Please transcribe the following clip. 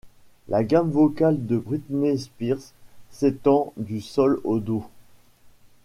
La gamme vocale de Britney Spears s'étend du sol au do.